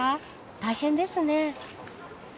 大変ですね。